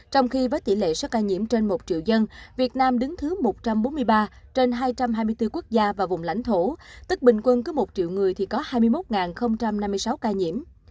trong khi với tỷ lệ số ca nhiễm trên một triệu dân việt nam đứng thứ một trăm bốn mươi ba trên hai trăm hai mươi bốn quốc gia và vùng lãnh thổ tức bình quân có một triệu người thì có hai mươi một năm mươi sáu ca nhiễm